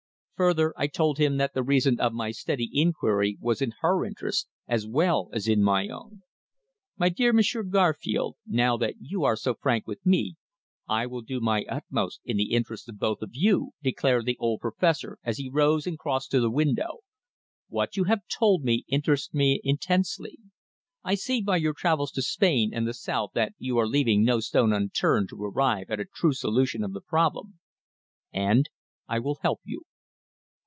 Further, I told him that the reason of my steady inquiry was in her interests, as well as in my own. "My dear Monsieur Garfield, now that you are so frank with me I will do my utmost in the interests of both of you," declared the dear old Professor, as he rose and crossed to the window. "What you have told me interests me intensely. I see by your travels to Spain and the South that you are leaving no stone unturned to arrive at a true solution of the problem and I will help you.